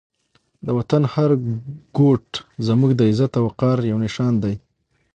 د وطن هر ګوټ زموږ د عزت او وقار یو نښان دی.